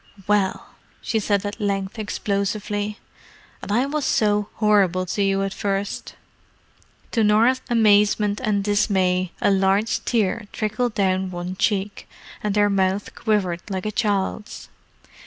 "Well!" she said at length explosively. "And I was so horrible to you at first!" To Norah's amazement and dismay a large tear trickled down one cheek, and her mouth quivered like a child's.